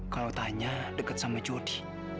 kalau tanya deket sama jody